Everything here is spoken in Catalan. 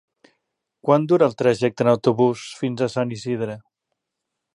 Quant dura el trajecte en autobús fins a Sant Isidre?